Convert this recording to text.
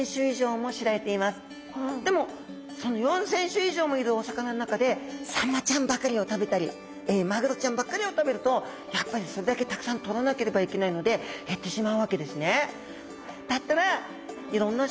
でもその４，０００種以上もいるお魚の中でサンマちゃんばかりを食べたりマグロちゃんばっかりを食べるとやっぱりそれだけたくさんとらなければいけないので減ってしまうわけですね。